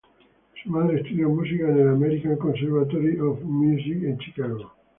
Su madre estudió música en el American Conservatory of Music en Chicago.